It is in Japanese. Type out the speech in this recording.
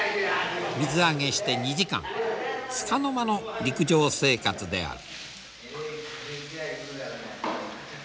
水揚げして２時間つかの間の陸上生活である。